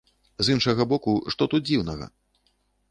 З іншага боку, што тут дзіўнага?